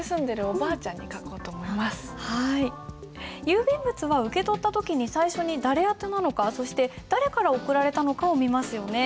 郵便物は受け取った時に最初に誰宛てなのかそして誰から送られたのかを見ますよね。